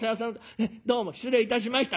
へえどうも失礼いたしました。